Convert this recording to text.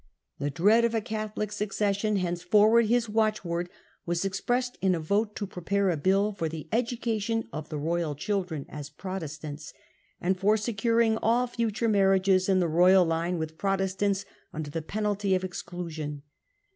The dread of a Catholic succession, henceforward his watchword, was lie excite 0 expressed in a vote to prepare a bill for the ment. education of the royal children as Protestants, and for securing all future marriages in the royal line with Protestants under the penalty of exclusion.